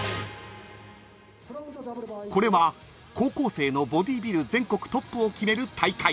［これは高校生のボディビル全国トップを決める大会］